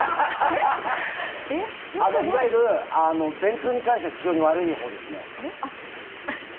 いわゆる便通に関しては非常に悪いほうですね。